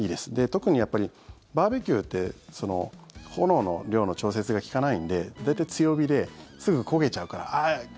特にバーベキューって炎の量の調節が利かないので大体、強火ですぐ焦げちゃうからああっ！